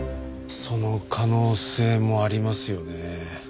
その可能性もありますよね。